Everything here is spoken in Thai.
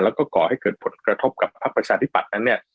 แล้วก็ก่อให้เกิดผลกระทบกับพักประชาธิบัตย์นั้นเนี่ย